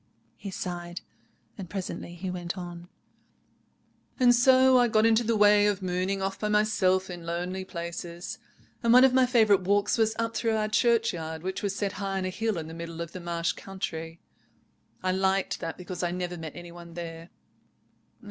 He sighed. Presently he went on— "And so I got into the way of mooning off by myself in lonely places, and one of my favourite walks was up through our churchyard, which was set high on a hill in the middle of the marsh country. I liked that because I never met any one there.